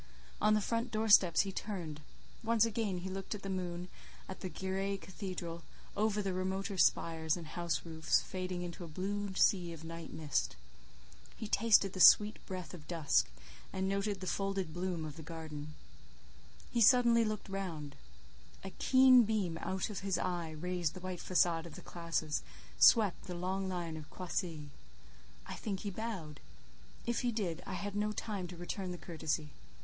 On the front door steps he turned; once again he looked at the moon, at the grey cathedral, over the remoter spires and house roofs fading into a blue sea of night mist; he tasted the sweet breath of dusk, and noted the folded bloom of the garden; he suddenly looked round; a keen beam out of his eye rased the white façade of the classes, swept the long line of croisées. I think he bowed; if he did, I had no time to return the courtesy.